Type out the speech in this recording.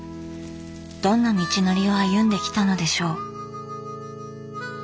どんな道のりを歩んできたのでしょう。